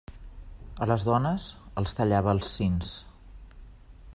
A les dones els tallava els sins.